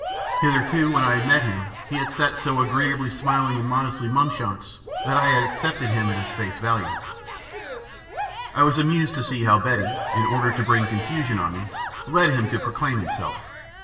Hitherto, when I had met him he had sat so agreeably smiling and modestly mumchance that I had accepted him at his face value. I was amused to see how Betty, in order to bring confusion on me, led him to proclaim himself.